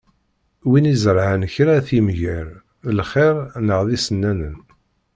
Win izerεen kra ad t-yemger, d lxir neɣ d isennanan.